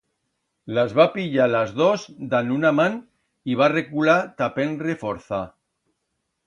Las va pillar las dos dan una man y va recular ta penre forza.